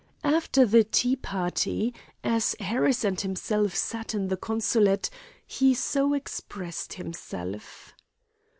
After the tea party, as Harris and himself sat in the consulate, he so expressed himself.